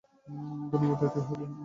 ধন্যবাদ, এতেই হবে।